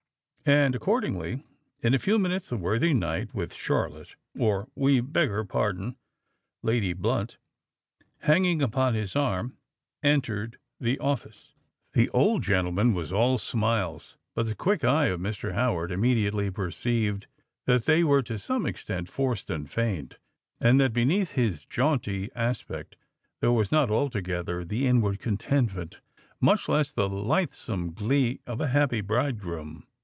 And, accordingly, in a few minutes the worthy knight, with Charlotte—or, we beg her pardon, Lady Blunt—hanging upon his arm, entered the office. The old gentleman was all smiles—but the quick eye of Mr. Howard immediately perceived that they were to some extent forced and feigned; and that beneath his jaunty aspect there was not altogether the inward contentment, much less the lightsome glee, of a happy bridegroom.